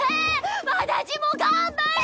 私も頑張る！